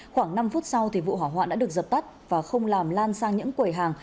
khoảng năm phút sau vụ hỏa hoạn đã được dập tắt và không làm lan sang những quầy hàng